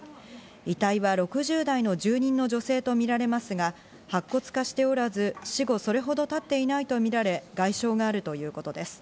遺体は６０代の住人の女性とみられますが、白骨化しておらず死後それほど経っていないとみられ、外傷があるということです。